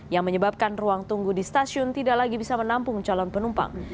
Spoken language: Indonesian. yang menyebabkan ruang tunggu di stasiun tidak lagi bisa menampung calon penumpang